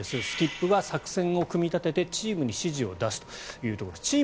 スキップは作戦を組み立ててチームに指示を出すというところです。